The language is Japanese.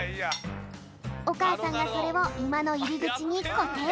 おかあさんがそれをいまのいりぐちにこてい。